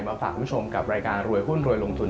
มาฝากคุณผู้ชมกับรายการรวยหุ้นรวยลงทุน